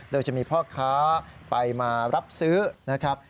โดยจะมีพ่อค้าไปมารับซื้อนะครับ